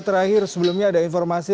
terakhir sebelumnya ada informasi